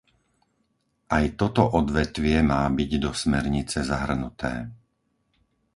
Aj toto odvetvie má byť do smernice zahrnuté.